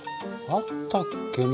あったっけな？